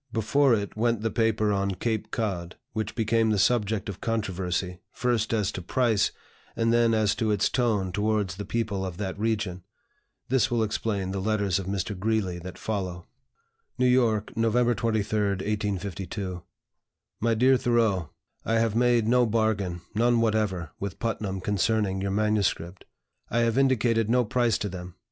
Before it went the paper on "Cape Cod," which became the subject of controversy, first as to price, and then as to its tone towards the people of that region. This will explain the letters of Mr. Greeley that follow: "NEW YORK, November 23, 1852. "MY DEAR THOREAU, I have made no bargain none whatever with Putnam concerning your MSS. I have indicated no price to them.